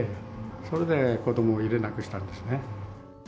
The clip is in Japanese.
それで子ども入れなくしたんですね。